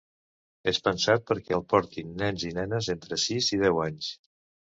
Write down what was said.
És pensat perquè el portin nens i nenes entre sis i deu anys.